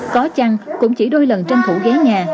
có chăng cũng chỉ đôi lần tranh thủ ghế nhà